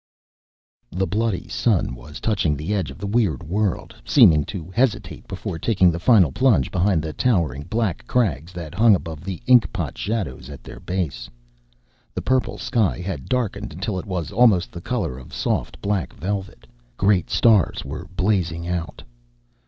The bloody sun was touching the edge of the weird world, seeming to hesitate before taking the final plunge behind the towering black crags that hung above the ink pot shadows at their base. The purple sky had darkened until it was almost the color of soft, black velvet. Great stars were blazing out.